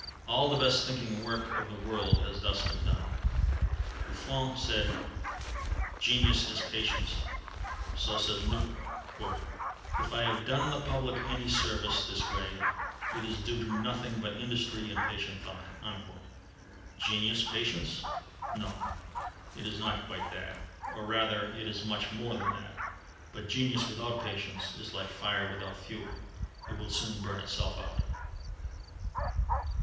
All the best thinking work of the world has been thus done. Buffon said: "Genius is patience." So says Newton: "If I have done the public any service this way, it is due to nothing but industry and patient thought." Genius patience? No, it is not quite that, or, rather, it is much more than that; but genius without patience is like fire without fuel it will soon burn itself out.